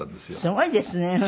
すごいですね。